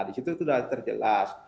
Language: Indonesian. di situ itu udah terjelas